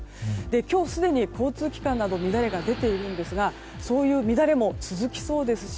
今日、すでに交通機関など乱れが出ているんですがそういう乱れも続きそうですし